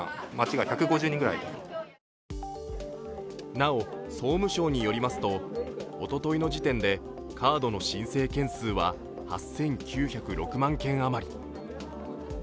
なお、総務省によりますとおとといの時点でカードの申請件数は８９０６万件余り。